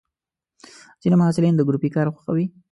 ځینې محصلین د ګروپي کار خوښوي.